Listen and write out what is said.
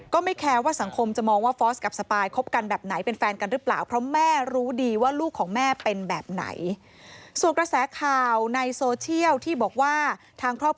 ก็ไม่แคร์ว่าสังคมจะมองว่าฟอร์สกับสปายคบกันแบบไหนเป็นแฟนกันหรือเปล่าเพราะแม่รู้ดีว่าลูกของแม่เป็นแบบไหน